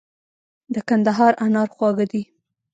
د کندهار انار خواږه دي.